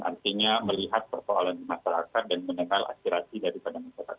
artinya melihat persoalan masyarakat dan menengah akirasi dari pandang masyarakat